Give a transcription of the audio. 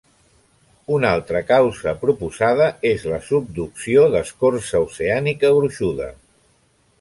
Una altra causa proposada és la subducció d'escorça oceànica gruixuda.